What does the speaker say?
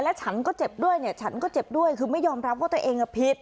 ฉันก็เจ็บด้วยเนี่ยฉันก็เจ็บด้วยคือไม่ยอมรับว่าตัวเองผิด